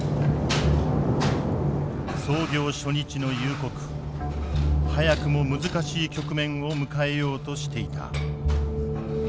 操業初日の夕刻早くも難しい局面を迎えようとしていた。